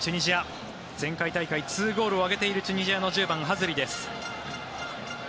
前回大会２ゴールを挙げているチュニジアの１０番ハズリです。